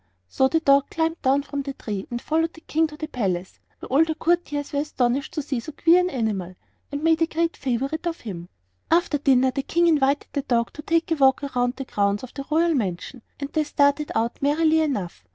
So the dog climbed down from the tree and followed the King to the palace, where all the courtiers were astonished to see so queer an animal, and made a great favorite of him. After dinner the King invited the dog to take a walk around the grounds of the royal mansion, and they started out merrily enough.